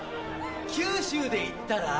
九州でいったら。